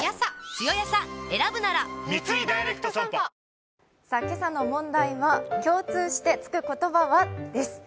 いいですね、今朝の問題は、共通してつく言葉は？です。